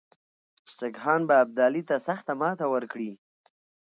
سیکهان به ابدالي ته سخته ماته ورکړي.